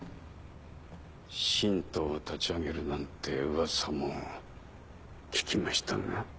新党を立ち上げるなんて噂も聞きましたが？